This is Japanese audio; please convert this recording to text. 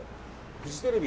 フジテレビ。